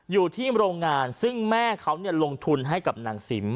อยู่ที่โรงงานซึ่งแม่เขาลงทุนให้กับนางสิม